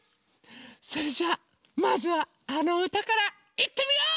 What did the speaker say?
それじゃあまずはあのうたからいってみよう！